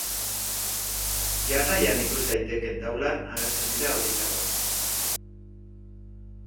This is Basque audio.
Jarraian ikus daitekeen taulan agertzen dira horietako batzuk.